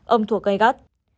ông thuộc gây gắt